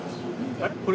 あれ？